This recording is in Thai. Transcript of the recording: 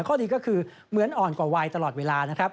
ข้อดีก็คือเหมือนอ่อนกว่าวายตลอดเวลานะครับ